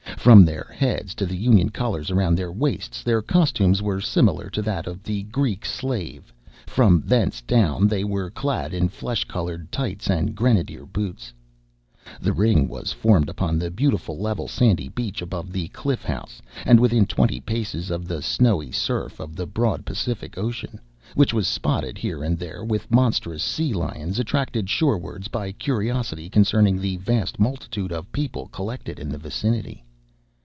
From their heads to the Union colors around their waists, their costumes were similar to that of the Greek slave; from thence down they were clad in flesh colored tights and grenadier boots. The ring was formed upon the beautiful level sandy beach above the Cliff House, and within twenty paces of the snowy surf of the broad Pacific Ocean, which was spotted here and there with monstrous sea lions attracted shoreward by curiosity concerning the vast multitude of people collected in the vicinity.